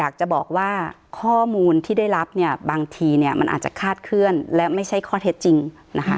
อยากจะบอกว่าข้อมูลที่ได้รับเนี่ยบางทีเนี่ยมันอาจจะคาดเคลื่อนและไม่ใช่ข้อเท็จจริงนะคะ